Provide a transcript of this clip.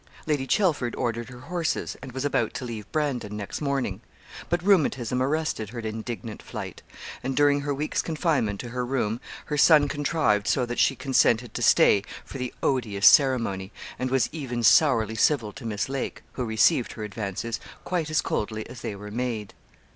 Lady Chelford ordered her horses, and was about to leave Brandon next morning. But rheumatism arrested her indignant flight; and during her week's confinement to her room, her son contrived so that she consented to stay for 'the odious ceremony,' and was even sourly civil to Miss Lake, who received her advances quite as coldly as they were made.